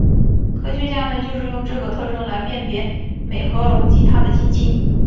科学家们就是用这个特征来辨别美颌龙及它的近亲。